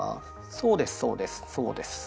そうですそうですそうです。